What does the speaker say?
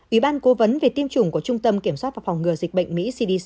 ủy ban cố vấn về tiêm chủng của trung tâm kiểm soát và phòng ngừa dịch bệnh mỹ cdc